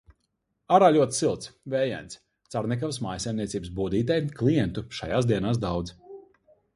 Ārā ļoti silts. Vējains. Carnikavas mājsaimniecības bodītei klientu šajās dienās daudz.